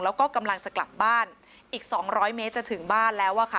แล้วก็กำลังจะกลับบ้านอีก๒๐๐เมตรจะถึงบ้านแล้วอะค่ะ